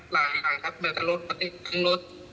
หลายทางครับไปทางรถมาติดทางรถ